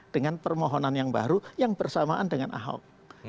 dengan permohonan yang baru yang bersamaan dengan ahok